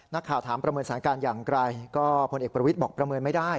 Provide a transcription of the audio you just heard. นักข่าวถามประเมินสถานการณ์อย่างไกลก็พลเอกประวิทย์บอกประเมินไม่ได้